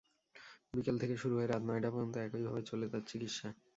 বিকেল থেকে শুরু হয়ে রাত নয়টা পর্যন্ত একইভাবে চলে তার চিকিৎসা।